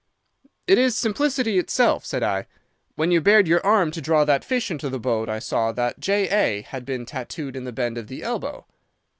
"'It is simplicity itself,' said I. 'When you bared your arm to draw that fish into the boat I saw that J. A. had been tattooed in the bend of the elbow.